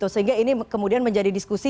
sehingga ini kemudian menjadi diskusi